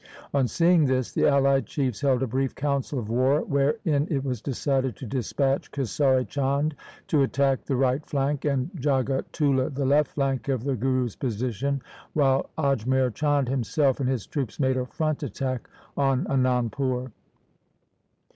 On seeing this the allied chiefs held a brief council of war, wherein it was decided to dispatch Kesari Chand to attack the right flank and Jagatullah the left flank of the Guru's position, while Ajmer Chand himself and his troops made a front attack on Anandpur.